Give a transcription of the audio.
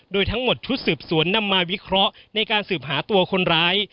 โดยทั้งหมดชุดสืบสวนนำมาวิเคราะห์ในการสืบหาตัวคนร้าย